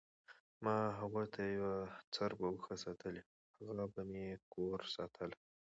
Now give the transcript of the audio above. ما هغو ته یوه څربه اوښه ساتلې وه، هغه به مې کور ساتله،